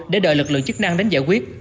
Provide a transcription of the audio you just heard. để đợi lực lượng chức năng đến giải quyết